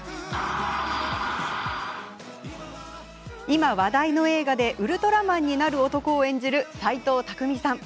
今、話題の映画でウルトラマンになる男を演じる斎藤工さん。